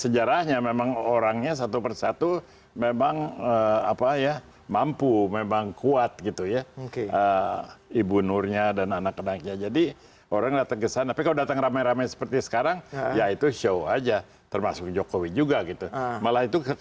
jokowi dan sandi